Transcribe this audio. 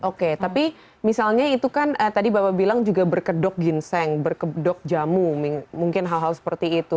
oke tapi misalnya itu kan tadi bapak bilang juga berkedok ginseng berkedok jamu mungkin hal hal seperti itu